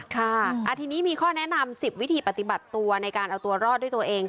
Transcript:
ค่ะทีนี้มีข้อแนะนำ๑๐วิธีปฏิบัติตัวในการเอาตัวรอดด้วยตัวเอง